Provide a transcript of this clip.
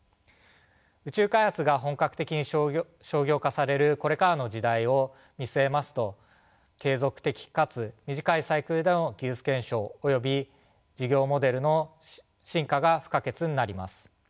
宇宙開発が本格的に商業化されるこれからの時代を見据えますと継続的かつ短いサイクルでの技術検証および事業モデルの進化が不可欠になります。